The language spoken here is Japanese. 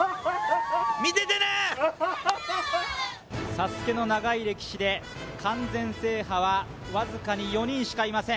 ＳＡＳＵＫＥの長い歴史で完全制覇はわずかに４人しかいません